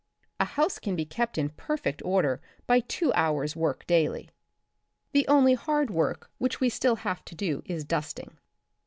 A house can be kept in perfect order by two hours* work daily. The only hard work which we still have to do is dusting.